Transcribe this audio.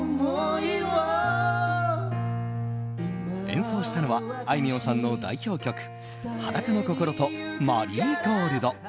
演奏したのはあいみょんさんの代表曲「裸の心」と「マリーゴールド」。